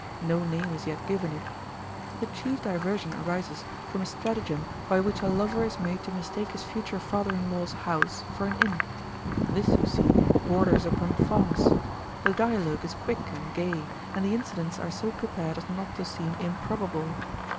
No name is yet given it. The chief diversion arises from a stratagem by which a lover is made to mistake his future father in law's house for an inn. This, you see, borders upon farce. The dialogue is quick and gay, and the incidents are so prepared as not to seem improbable.